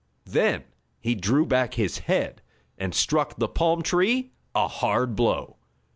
Then he drew back his head and struck the palm tree a hard blow.